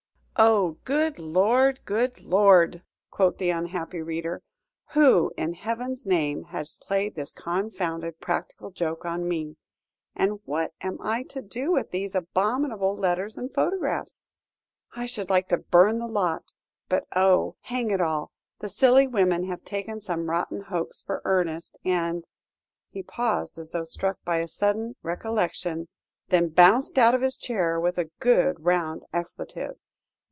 '" "Oh! Good lord! Good lord!" quoth the unhappy reader, "who in heaven's name has played this confounded practical joke upon me? And what am I to do with these abominable letters and photographs? I should like to burn the lot! but oh! hang it all, the silly women have taken some rotten hoax for earnest, and" he paused, as though struck by a sudden recollection, then bounced out of his chair with a good round expletive.